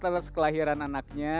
lelah sekelahiran anaknya